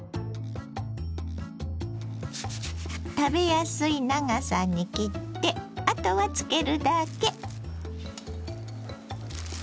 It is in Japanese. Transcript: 食べやすい長さに切ってあとは漬けるだけ。